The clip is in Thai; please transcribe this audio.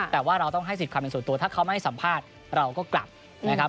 แต่ว่าเราต้องให้สิทธิ์ความเป็นส่วนตัวถ้าเขาไม่ให้สัมภาษณ์เราก็กลับนะครับ